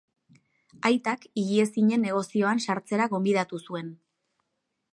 Aitak higiezinen negozioan sartzera gonbidatu zuen.